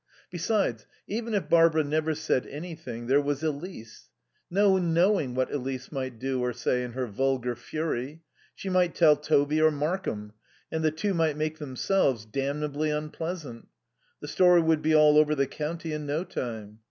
Besides, even if Barbara never said anything, there was Elise. No knowing what Elise might do or say in her vulgar fury. She might tell Toby or Markham, and the two might make themselves damnably unpleasant. The story would be all over the county in no time.